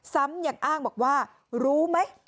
ซ้ำยังอ้างบอกว่ารู้ไหม